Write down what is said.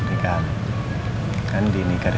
ini salah deh gue